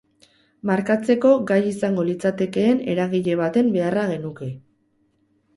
Markatzeko gai izango litzatekeen eragile baten beharra genuke.